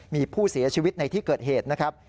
มีผู้เสียชีวิตในที่เกิดเหตุนะครับ